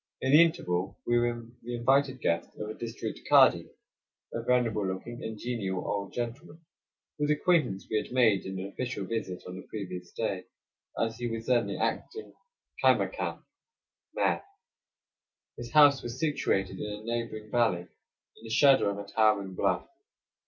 In the interval we were the invited guests of a district kadi, a venerable looking and genial old gentleman whose acquaintance we had made in an official visit on the previous day, as he was then the acting caimacam (mayor). His house was situated in a neighboring valley in the shadow of a towering bluff.